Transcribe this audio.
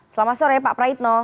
selamat sore pak praitno